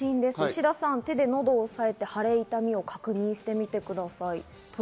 石田さん、喉を手で押さえて腫れや痛みを確認してみてください。